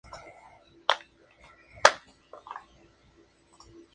Vuelven y pisan suelo americano en noviembre donde tuvieron tres presentaciones.